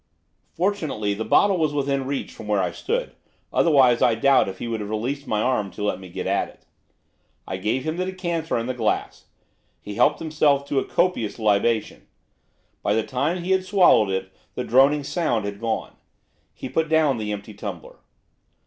Fortunately the bottle was within reach from where I stood, otherwise I doubt if he would have released my arm to let me get at it. I gave him the decanter and the glass. He helped himself to a copious libation. By the time that he had swallowed it the droning sound had gone. He put down the empty tumbler.